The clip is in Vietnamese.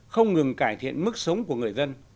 không ngừng cải thiện mức sống của người dân